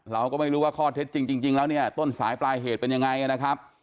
เราก็ไม่รู้ว่าข้อเท็จจริงแล้วต้นสายปลายเหตุเป็นยังไง